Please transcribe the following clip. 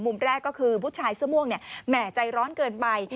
มุม๑คือผู้ชายเสื้อม่วงแหมใจร้อนเกินไป